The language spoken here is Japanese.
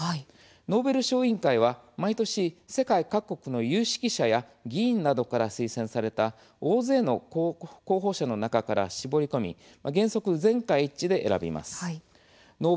ノーベル賞委員会は毎年世界各国の有識者や議員などから推薦された大勢の候補者の中から絞り込み原則、全会一致で選びます。